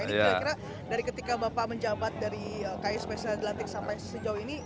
ini kira kira dari ketika bapak menjabat dari ksp saya dilantik sampai sejauh ini